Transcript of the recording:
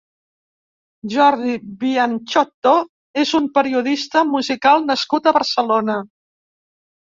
Jordi Bianciotto és un periodista musical nascut a Barcelona.